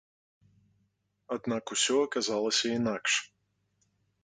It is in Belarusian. Аднак усё аказалася інакш.